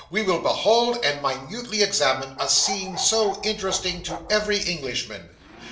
We will behold, and minutely examine, a scene so interesting to every Englishman.